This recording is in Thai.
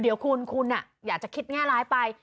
เดี๋ยวคุณคุณอยากจะคิดแง่ร้ายไป